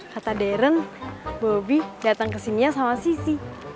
kata deren bobby dateng kesininya sama sissy